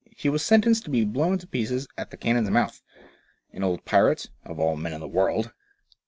He was sentenced to be blown to pieces at the cannon's mouth. An old pirate — of all men in the world